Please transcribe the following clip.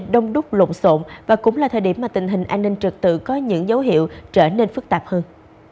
đông đúc lộn xộn và cũng là thời điểm mà tình hình an ninh trực tự có những dấu hiệu trở nên phức tạp hơn